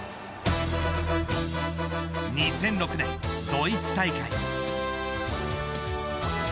２００６年ドイツ大会。